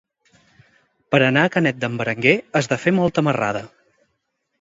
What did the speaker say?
Per anar a Canet d'en Berenguer has de fer molta marrada.